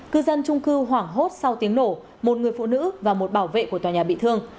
cư dân trung cư hoảng hốt sau tiếng nổ một người phụ nữ và một bảo vệ của tòa nhà bị thương